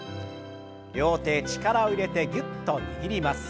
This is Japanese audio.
両手力を入れてぎゅっと握ります。